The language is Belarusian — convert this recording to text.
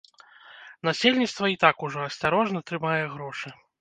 Насельніцтва і так ужо асцярожна трымае грошы.